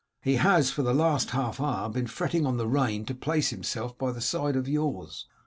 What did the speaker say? He has for the last half hour been fretting on the rein to place himself by the side of yours.